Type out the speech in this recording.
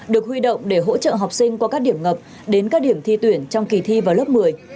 được huy động để hỗ trợ học sinh qua các điểm ngập đến các điểm thi tuyển trong kỳ thi vào lớp một mươi